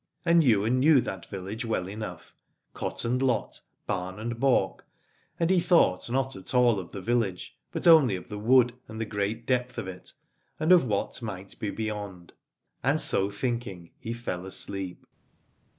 And Ywain knew that village well enough, cot and lot, barn and balk, and he thought not at all of the village, but only of the wood and the great depth of it and of what might be beyond. And so thinking he fell asleep.